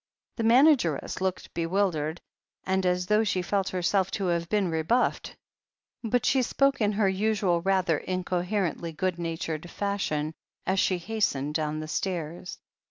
The manageress looked bewildered, and as though she felt herself to have been rebuffed, but she spoke in her usual rather incoherently good natured fashion as she hastened down the stairs.